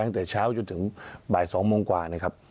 ตั้งแต่เช้าจนถึงบ่าย๒โมงกว่านะครับ